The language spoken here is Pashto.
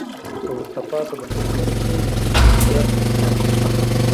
په وروسته پاتې بنسټونو کې ځمکې مشترک ملکیت لري.